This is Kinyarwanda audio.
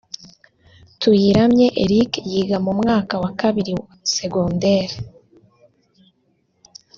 Tuyiramye Eric(yiga mu mwaka wa kabiri secondaire